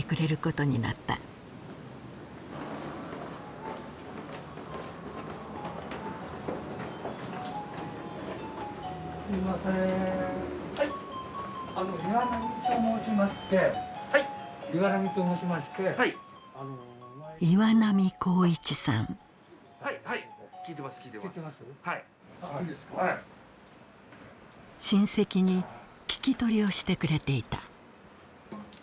親戚に聞き取りをしてくれていた。